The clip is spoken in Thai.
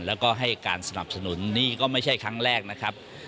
แล้วก็ให้การสนับสนุนนี่ก็ไม่ใช่ครั้งแรกนะครับ